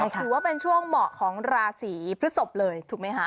ถือว่าเป็นช่วงเหมาะของราศีพฤศพเลยถูกไหมคะ